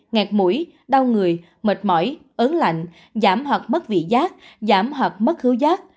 ngạt mũi đau người mệt mỏi ớn lạnh giảm hoặc mất vị giác giảm hoặc mất hữu giác